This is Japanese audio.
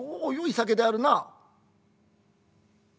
「およい酒であるな。